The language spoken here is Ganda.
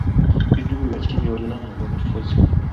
Birubirirwa ki by'olina mu by'obufuzi?